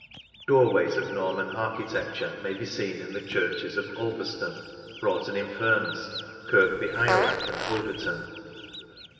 Doorways of Norman architecture may be seen in the churches of Ulverston, Broughton in Furness, Kirkbv Ireleth, and Overton.